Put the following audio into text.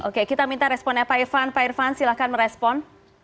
oke kita minta responnya pak irfan pak irfan silahkan merespon